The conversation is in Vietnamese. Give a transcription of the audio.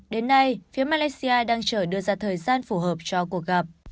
đến nay phía malaysia đang chờ đưa ra thời gian phù hợp cho cuộc gặp